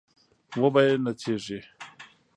وبه يې نڅېږي